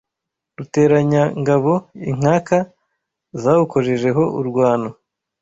Ruteranyangabo inkaka zawukojejeho urwano